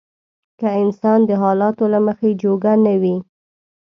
که انسان د حالاتو له مخې جوګه نه وي.